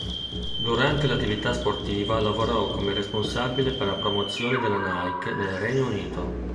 Durante l'attività sportiva lavorò come responsabile per la promozione della Nike nel Regno Unito.